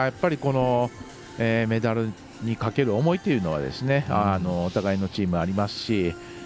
メダルにかける思いというのはお互いのチームありますし。